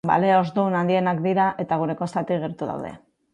Bale horzdun handienak dira, eta gure kostatik gertu daude.